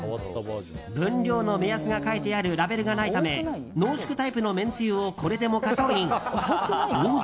分量の目安が書いてあるラベルがないため濃縮タイプのめんつゆをこれでもかとイン。